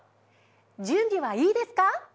準備はいいですか？